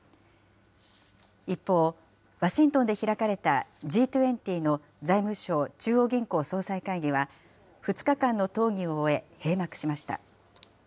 一方、ワシントンで開かれたＧ２０の財務相・中央銀行総裁会議は、２日間の討議を終え、閉幕しました。